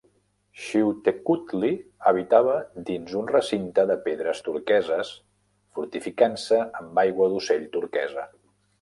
Xiuhtecuhtli habitava dins un recinte de pedres turqueses, fortificant-se amb aigua d'ocell turquesa.